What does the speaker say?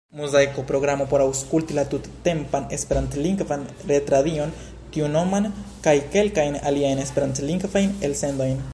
Muzaiko, programo por aŭskulti la tuttempan Esperantlingvan retradion tiunoman, kaj kelkajn aliajn Esperantlingvajn elsendojn.